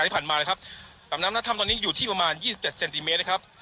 ที่ผ่านมานะครับกับน้ำนักถ้ำตอนนี้อยู่ที่ประมาณยี่สิบเจ็ดเซนติเมตรนะครับ